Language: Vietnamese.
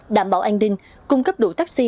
đảm bảo an ninh cung cấp đủ taxi